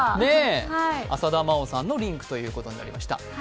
浅田真央さんのリンクということになりました。